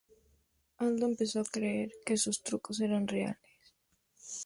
Aldo empezó a creer que sus trucos eran reales.